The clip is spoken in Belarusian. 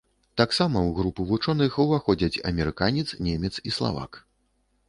Таксама ў групу вучоных уваходзяць амерыканец, немец і славак.